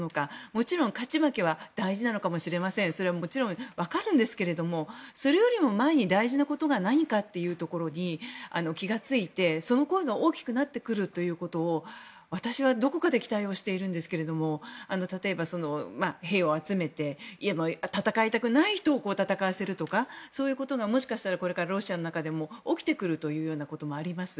もちろん、勝ち負けは大事なのかもしれませんけどそれよりも前に大事なことが何かというところに気が付いて、そのことが大きくなってくるということを私はどこかで期待してるんですけども例えば兵を集めて戦いたくない人を戦わせるとかそういうことがもしかしたらロシアの中で起きてくるということもあります。